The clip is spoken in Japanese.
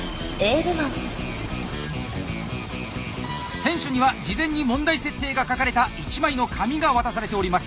選手には事前に問題設定が書かれた一枚の紙が渡されております。